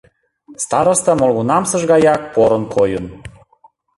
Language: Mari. Староста молгунамсыж гаяк порын койын.